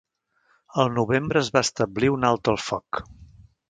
El novembre es va establir un alto el foc.